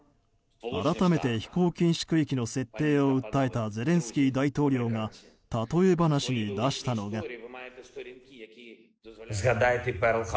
改めて飛行禁止区域の設定を訴えたゼレンスキー大統領が例え話に出したのが。